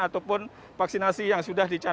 ataupun vaksinasi yang sudah dicari